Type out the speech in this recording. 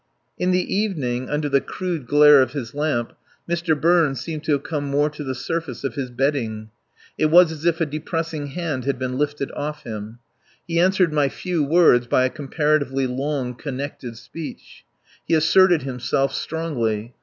In the evening, under the crude glare of his lamp, Mr. Burns seemed to have come more to the surface of his bedding. It was as if a depressing hand had been lifted off him. He answered my few words by a comparatively long, connected speech. He asserted himself strongly.